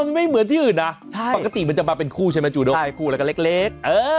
ไม่เหมือนที่อื่นนะปกติมันจะมาเป็นคู่ใช่ไหมจูด้งใช่คู่แล้วก็เล็ก